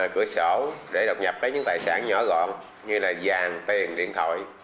cửa sổ để độc nhập lấy những tài sản nhỏ gọn như là vàng tiền điện thoại